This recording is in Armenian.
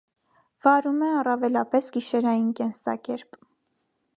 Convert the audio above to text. Վարում է առավելապես գիշերային կենսակերպ։